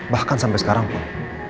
bahkan sampai sekarang pun